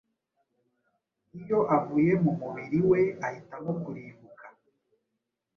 Iyo avuye mu mubiri we ahitamo kurimbuka